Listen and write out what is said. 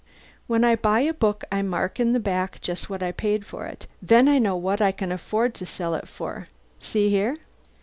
When I buy a book I mark in the back just what I paid for it, then I know what I can afford to sell it for. See here."